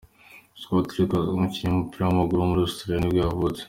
Scott Lucas, umukinnyi w’umupira w’amaguru wo muri Australia nibwo yavutse.